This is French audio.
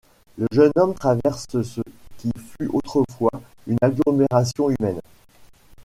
Le jeune homme traverse ce qui fut autrefois une agglomération humaine.